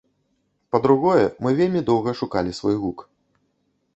Па-другое, мы вельмі доўга шукалі свой гук.